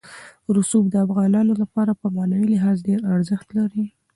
رسوب د افغانانو لپاره په معنوي لحاظ ډېر ارزښت لري.